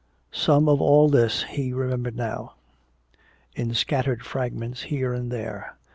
Some of all this he remembered now, in scattered fragments here and there.